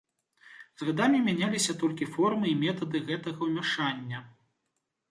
З гадамі мяняліся толькі формы і метады гэтага ўмяшання.